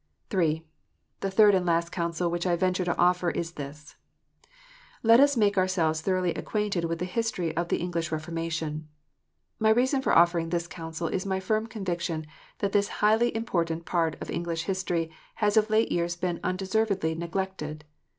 (3) The third and last counsel which 1 venture to offer is this : Let us make ourselves thoroughly acquainted icith the history of the English Reformation. My reason for offering this counsel is my firm conviction that this highly important part of English history has of late years been undeservedly neglected.